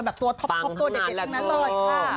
กับแบบตัวท็อปตัวเด็ดนั้นเลยค่ะ